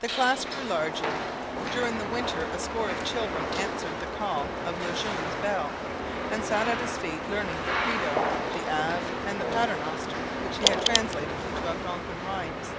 The class grew larger; during the winter a score of children answered the call of Le Jeune's bell, and sat at his feet learning the Credo, the Ave, and the Paternoster, which he had translated into Algonquin rhymes.